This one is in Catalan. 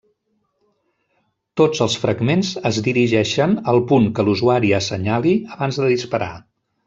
Tots els fragments es dirigeixen al punt que l'usuari assenyali abans de disparar.